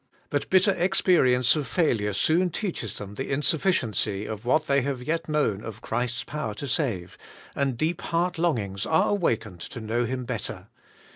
But bitter experience of failure soon teaches them the insufficiency of what they have yet known of Christ's power to save, and deep heart longings are awakened to know Him bet ter.